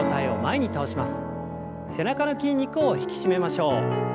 背中の筋肉を引き締めましょう。